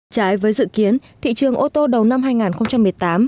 trái với dự kiến thị trường ô tô đầu năm hai nghìn một mươi tám